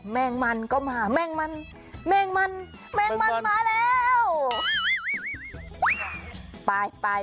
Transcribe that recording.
แมงมันก็มาแมงมันแมงมันแมงมันมาแล้ว